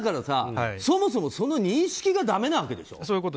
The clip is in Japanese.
そもそもその認識がだめなわけでしょ。